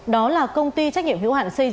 đó là công ty trách nhiệm hữu hạn xây dựng